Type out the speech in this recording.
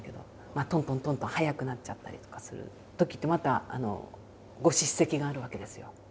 トントントントン速くなっちゃったりとかするときってまたご叱責があるわけですよ。